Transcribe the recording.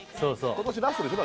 今年ラストでしょ